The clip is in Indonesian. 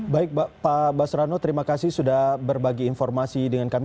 baik pak basrano terima kasih sudah berbagi informasi dengan kami